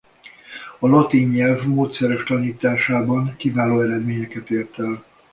A latin nyelv módszeres tanításában kiváló eredményeket ért el.